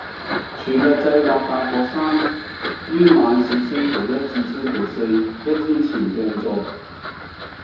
全日制或大學生於晚市星期一至星期四一天前訂座